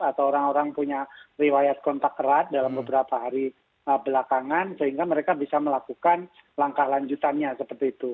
atau orang orang punya riwayat kontak erat dalam beberapa hari belakangan sehingga mereka bisa melakukan langkah lanjutannya seperti itu